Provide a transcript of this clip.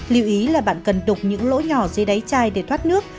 lưu ý là bạn cần đục những lỗ nhỏ dưới đáy chai để thoát nước